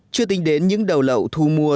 chưa tính đến những đầu lậu thu mua